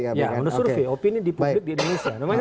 ya menurut survei opini di publik di indonesia